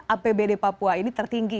apbd papua ini tertinggi